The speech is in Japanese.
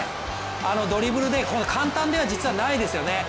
ドリブルで簡単では実はないですよね